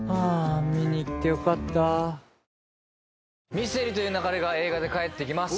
『ミステリと言う勿れ』が映画で帰ってきます。